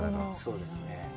そうですね。